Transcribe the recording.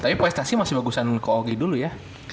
tapi prestasi masih bagusan ke ogi dulu ya